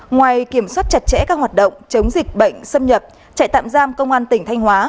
ngoài kiểm soát chặt chẽ các hoạt động chống dịch bệnh xâm nhập trại tạm giam công an tỉnh thanh hóa